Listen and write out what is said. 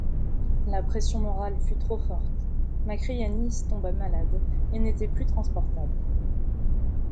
La pression morale fut trop forte, Makriyánnis tomba malade et n'était plus transportable.